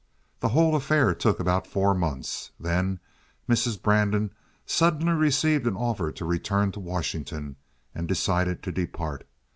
The whole affair took about four months; then Mrs. Brandon suddenly received an offer to return to Washington, and decided to depart.